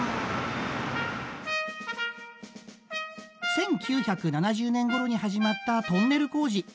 １９７０年ごろに始まったトンネル工事。